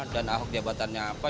dan ahok jabatannya apa